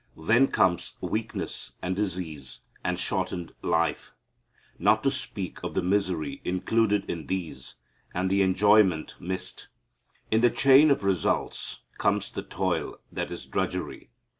Then come weakness and disease and shortened life, not to speak of the misery included in these and the enjoyment missed. In the chain of results comes the toil that is drudgery.